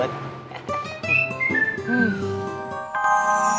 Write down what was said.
jangan sabar ya rud